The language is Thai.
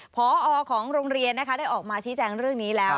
พอของโรงเรียนนะคะได้ออกมาชี้แจงเรื่องนี้แล้ว